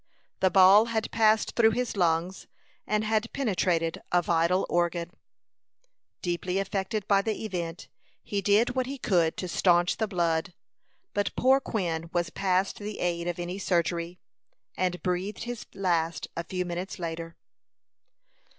The ball had passed through his lungs, and had penetrated a vital organ. Deeply affected by the event, he did what he could to stanch the blood; but poor Quin was past the aid of any surgery, and breathed his last a few minutes later.